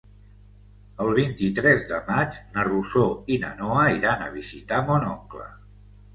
El vint-i-tres de maig na Rosó i na Noa iran a visitar mon oncle.